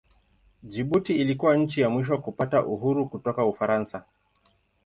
Jibuti ilikuwa nchi ya mwisho kupata uhuru kutoka Ufaransa.